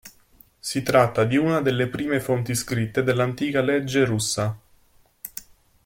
Si tratta di una delle prime fonti scritte dell'antica legge russa.